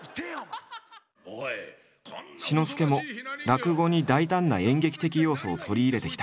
志の輔も落語に大胆な演劇的要素を取り入れてきた。